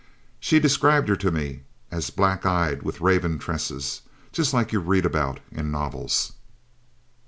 She described her to me as black eyed with raven tresses, just like you read about in novels.